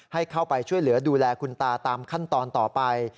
ให้เข้าไปช่วยเหลือดูแลคุณตาตามขั้นตอนต่อไป